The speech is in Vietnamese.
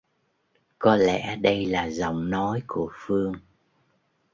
Có lẽ đây là giọng nói của Phương